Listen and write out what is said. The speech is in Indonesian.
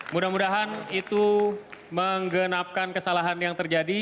mudah mudahan itu menggenapkan kesalahan yang terjadi